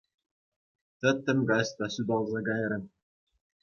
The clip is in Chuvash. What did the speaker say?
Тӗттӗм каҫ та ҫуталса кайрӗ.